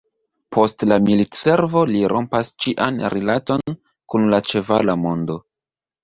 Post la militservo li rompas ĉian rilaton kun la ĉevala mondo.